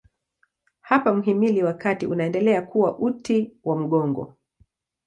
Hapa mhimili wa kati unaendelea kuwa uti wa mgongo.